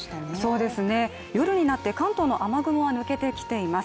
そうですね、夜になって関東の雨雲は抜けてきています。